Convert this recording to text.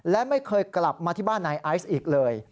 และไม่เคยกลับมาที่บ้านนายไอซ์อีกเลย